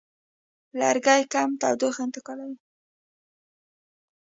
لرګي کم تودوخه انتقالوي.